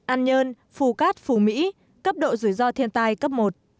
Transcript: an nhơn phù cát phù mỹ cấp độ rủi ro thiên tai cấp một